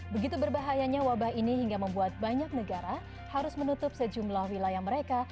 begitu berbahayanya wabah ini hingga membuat banyak negara harus menutup sejumlah wilayah mereka